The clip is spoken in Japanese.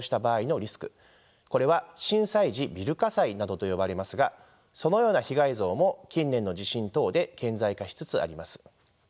これは震災時ビル火災などと呼ばれますがそのような被害像も近年の地震等で顕在化しつつあります。